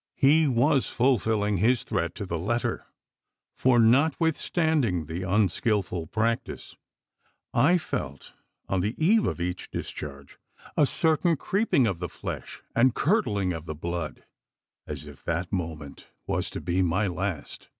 He was fulfilling his threat to the letter; for, notwithstanding the unskilful practice, I felt, on the eve of each discharge, a certain creeping of the flesh, and curdling of the blood, as if that moment was to be my last.